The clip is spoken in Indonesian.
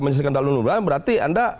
menyelesaikan dalam enam bulan berarti anda